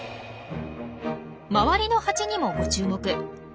周りのハチにもご注目。